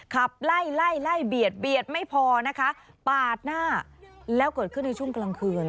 ขับไล่ไล่เบียดเบียดไม่พอนะคะปาดหน้าแล้วเกิดขึ้นในช่วงกลางคืน